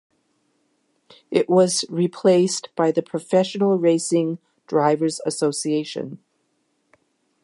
It was replaced by the Professional Racing Drivers Association.